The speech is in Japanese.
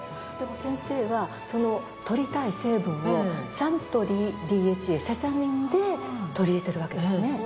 でも先生はその摂りたい成分をサントリーＤＨＡセサミンで摂り入れてるわけですね。